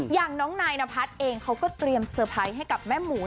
อย่างน้องนายนพัฒน์เองเขาก็เตรียมเซอร์ไพรส์ให้กับแม่หมู